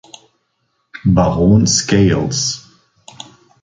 Baron Scales.